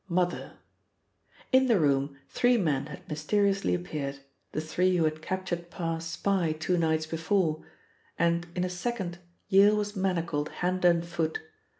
— MOTHER IN the room three men had mysteriously appeared the three who had captured Parr's spy two nights before and in a second Yale was manacled hand and foot.